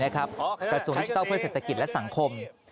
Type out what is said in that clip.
กระทรวงดิจิทัลเพื่อเศรษฐกิจและสังคม